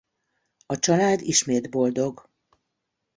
A család ismét boldog.